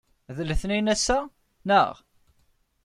D letniyen ass-a, naɣ?